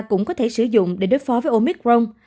cũng có thể sử dụng để đối phó với omicron